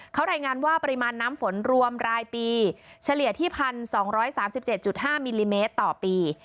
เขารายงานว่าปริมาณน้ำฝนรวมรายปีเฉลี่ยที่๑๒๓๗๕มิลลิเมตรต่อปี